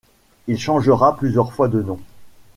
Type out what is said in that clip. Il changera plusieurs fois de nom.